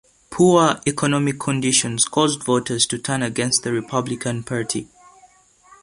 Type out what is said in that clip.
Poor economic conditions caused voters to turn against the Republican Party.